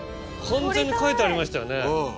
ホントに書いてありましたよね。